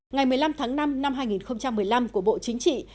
ngày một mươi năm tháng năm năm hai nghìn một mươi năm của bộ chính trị